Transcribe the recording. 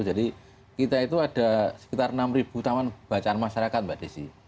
jadi kita itu ada sekitar enam ribu taman bacaan masyarakat mbak desy